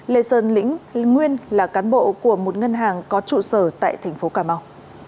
lê sơn lĩnh nguyên là cán bộ của một ngân hàng có trụ sở tại thành phố cà mau